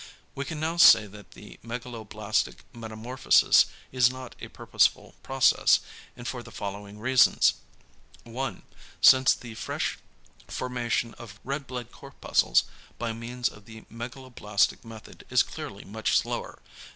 We can now say that the megaloblastic metamorphosis is not a purposeful process, and for the following reasons: 1. Since the fresh formation of red blood corpuscles by means of the megaloblastic method is clearly much slower.